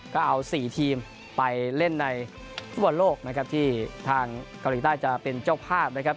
ก็เอา๔ทีมไปเล่นในฟุตบอลโลกนะครับที่ทางเกาหลีใต้จะเป็นเจ้าภาพนะครับ